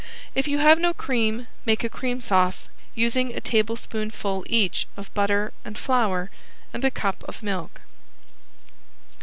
If you have no cream make a cream sauce, using a tablespoonful each of butter and flour and a cup of milk.